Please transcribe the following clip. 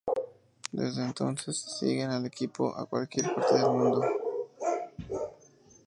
Desde entonces siguen al equipo a cualquier parte del mundo.